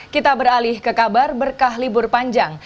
kita beralih ke kabar berkah libur panjang